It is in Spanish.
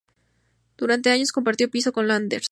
Durante años compartió piso con Landers.